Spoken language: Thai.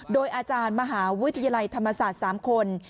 โดยอาจารย์มหาวิทยาลัยธรรมศาสตร์๓คน